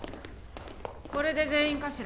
これで全員かしら？